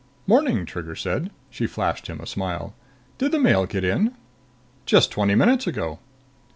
"Morning," Trigger said. She flashed him a smile. "Did the mail get in?" "Just twenty minutes ago."